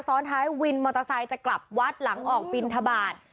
ซ้อนท้ายวินมอเตอร์ไซค์จะกลับวัดหลังออกบินทบาท